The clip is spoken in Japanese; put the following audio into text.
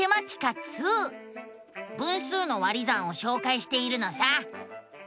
分数の「割り算」をしょうかいしているのさ。